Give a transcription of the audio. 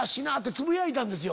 つぶやいたんですよ